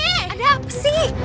ada apa sih